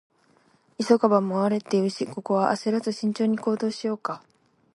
「急がば回れ」って言うし、ここは焦らず慎重に行動しようか。